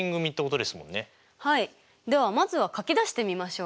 はいではまずは書き出してみましょうか。